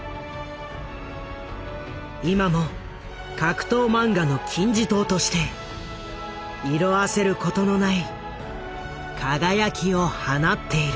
今も格闘漫画の金字塔として色あせることのない輝きを放っている。